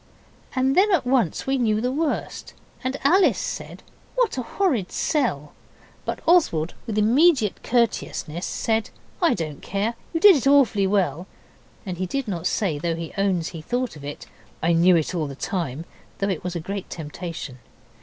And then at once we knew the worst, and Alice said 'What a horrid sell!' But Oswald, with immediate courteousness, said 'I don't care. You did it awfully well.' And he did not say, though he owns he thought of it 'I knew it all the time,' though it was a great temptation.